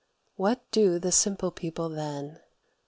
What do the simple people then?